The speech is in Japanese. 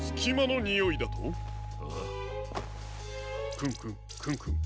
クンクンクンクン。